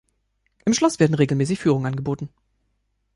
Im Schloss werden regelmäßig Führungen angeboten.